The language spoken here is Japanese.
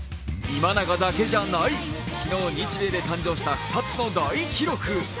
今永だけじゃない、昨日日米で誕生した２つの大記録。